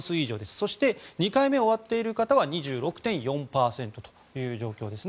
そして２回目が終わっている方は２６．４％という状況ですね。